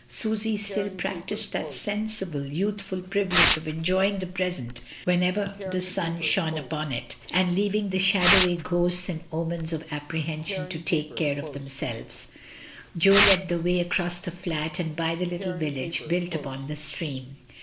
5usy still practised that sensible, youthful privilege of enjoying the present whenever the sun THREE ON A HILL SIDE. 24 1 shone upon it, and leaving the shadowy ghosts and omens of apprehension to take care of themselves. Jo led the way across the flat and by the little village built upon the stream.